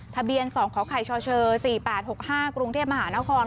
ทะเบียน๒ขไข่ชช๔๘๖๕กรุงเทพมหานคร